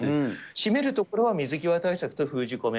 締めるところは水際対策と封じ込め。